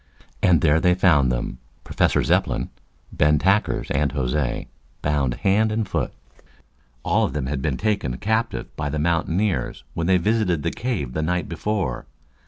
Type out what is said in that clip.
And there they found them Professor Zepplin, Ben Tackers and Jose, bound hand and foot. All of them bad been taken captive by the mountaineers when they visited the cave the night before.